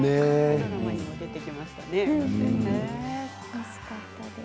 ドラマにも出てきましたよね。